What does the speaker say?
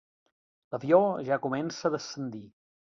L'avió ja comença a descendir.